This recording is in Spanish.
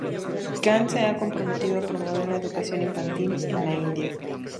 Khan se ha comprometido a promover la educación infantil en la India.